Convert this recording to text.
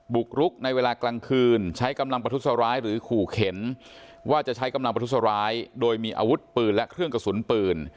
บุกรุกในเวลากลางคืนใช้กำลังประทุษร้ายหรือขู่เข็นว่าจะใช้กำลังประทุษร้ายโดยมีอาวุธปืนและเครื่องกระสุนปืน